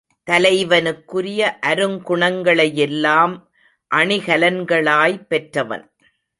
தலைவனுக்குரிய அருங்குணங்களையெல்லாம் அணிகலன்களாய் பெற்றவன்.